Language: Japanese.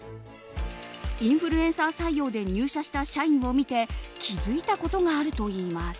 インフルエンサー採用で入社した社員を見て気づいたことがあるといいます。